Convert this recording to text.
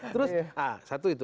terus ah satu itu